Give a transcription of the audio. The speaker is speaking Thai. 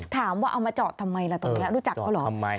ถามว่าเอามาจอดทำไมล่ะตรงนี้รู้จักเขาเหรอ